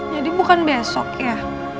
jadi bukan besok ya